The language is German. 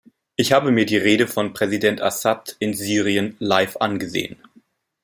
Ich habe mir die Rede von Präsident Assad in Syrien live angesehen.